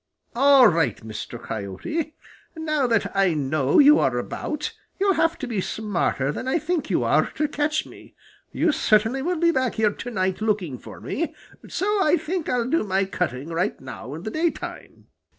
All right, Mr. Coyote; now that I know you are about, you'll have to be smarter than I think you are to catch me. You certainly will be back here to night looking for me, so I think I'll do my cutting right now in the daytime."